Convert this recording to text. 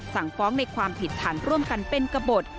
สั่งฟ้องในความผิดฐานร่วมกันเป็นกระบด